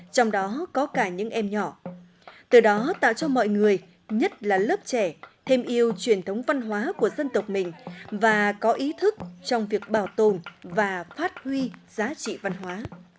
trong đó có cả những em nhỏ từ đó tạo cho mọi người nhất là lớp trẻ thêm yêu truyền thống văn hóa của dân tộc mình và có ý thức trong việc bảo tồn và phát huy giá trị văn hóa